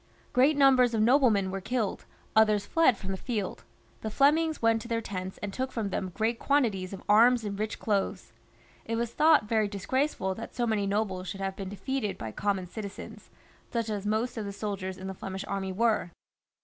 Great numbers of noblemen were killed, others fled from the field ; the Flemings went to their tents and took from them great quantities of arms and rich clothes. It was thought very disgraceful that so many nobles should have been defeated by common citizens, such as most of the soldiers in the Flemish army were.